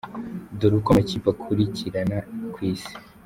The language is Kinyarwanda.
Dore uko amakipe akurikirana ku isi:.